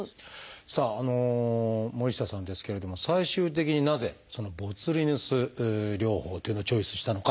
さあ森下さんですけれども最終的になぜボツリヌス療法というのをチョイスしたのかということですが。